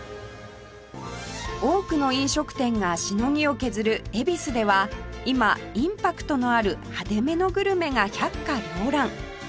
多くの飲食店がしのぎを削る恵比寿では今インパクトのある派手めのグルメが百花繚乱